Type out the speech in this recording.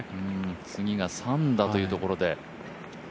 次が３打というところで。